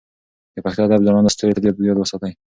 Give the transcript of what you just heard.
د پښتو ادب ځلانده ستوري تل یاد وساتئ.